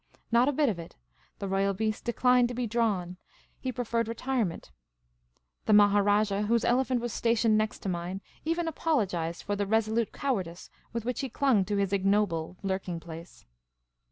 Not a bit of it ; the royal beast declined to be drawn ; he preferred retire ment. The Maharajah, whose elephant was stationed next to mine, even apologised for the resolute cowardice with which he clung to his ignoble lurking place.